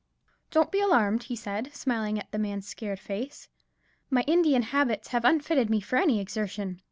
"Don't be alarmed," he said, smiling at the man's scared face; "my Indian habits have unfitted me for any exertion.